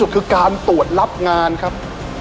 อัศวินตรีอัศวินตรี